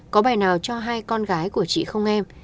có bài nào cho hai con gái của chị không em